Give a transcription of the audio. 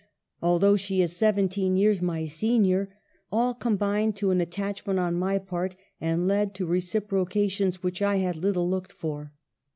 . although she is seventeen years my senior, all combined to an attachment on my part, and led to reciprocations which I had little looked for.